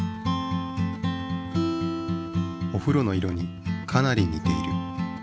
おふろの色にかなりにている。